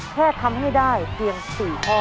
แค่ทำให้ได้เพียง๔ข้อ